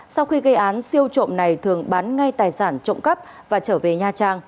sau khi gây án siêu trộm này thường bán ngay tài sản trộm cắp và trở về nha trang